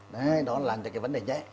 đấy đó là cái vấn đề nhẹ